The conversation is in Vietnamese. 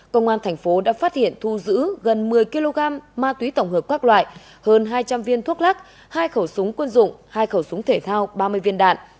công an thành phố đã phát hiện thu giữ gần một mươi kg ma túy tổng hợp các loại hơn hai trăm linh viên thuốc lắc hai khẩu súng quân dụng hai khẩu súng thể thao ba mươi viên đạn